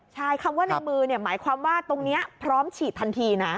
ใช่คำว่าในมือหมายความว่าตรงนี้พร้อมฉีดทันทีนะ